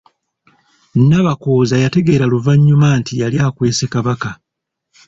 Nabakooza yategeera luvannyuma nti yali akwese Kabaka.